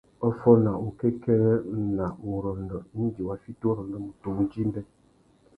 Wa fôna wukêkêrê na wurrôndô indi wa fiti urrôndô MUTU wudjï-mbê.